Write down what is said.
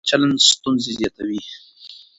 بد چلن ستونزه زیاتوي.